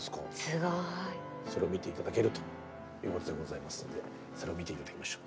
すごい。それを見て頂けるということでございますのでそれを見て頂きましょう。